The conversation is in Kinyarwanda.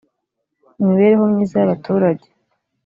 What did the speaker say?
imibereho myiza y abaturage